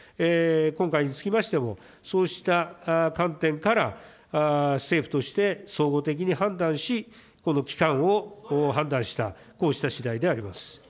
今回につきましても、そうした観点から、政府として総合的に判断し、この期間を判断した、こうした次第であります。